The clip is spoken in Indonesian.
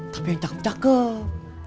tapi yang cakep cakep